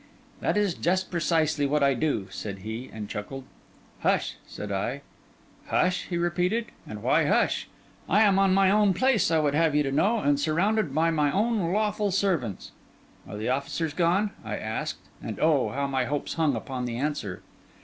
'That is just precisely what I do,' said he, and chuckled. 'Hush!' said I. 'Hush?' he repeated. 'And why hush? I am on my own place, I would have you to know, and surrounded by my own lawful servants.' 'Are the officers gone?' I asked; and oh! how my hopes hung upon the answer!